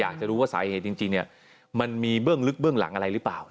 อยากจะรู้ว่าสาเหตุจริงมันมีเบื้องลึกเบื้องหลังอะไรหรือเปล่า